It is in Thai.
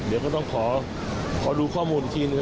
เดี๋ยวก็ต้องขอดูข้อมูลอีกทีหนึ่ง